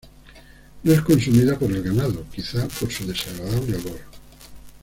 No es consumida por el ganado, quizá por su desagradable olor.